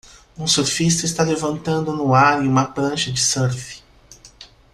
Um surfista está levantando no ar em uma prancha de surf.